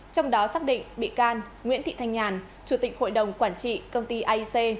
trong đó xác định bị can nguyễn thị thanh nhàn chủ tịch hội đồng quản trị công ty aic